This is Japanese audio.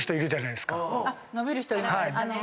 伸びる人います。